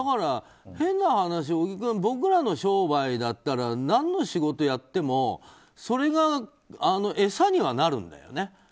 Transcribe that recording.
変な話、小木君僕らの商売だったら何の仕事やってもそれが餌にはなるんだよね。